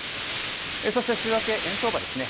そして週明け、円相場ですね。